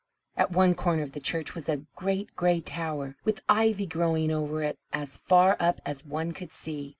At one corner of the church was a great gray tower, with ivy growing over it as far up as one could see.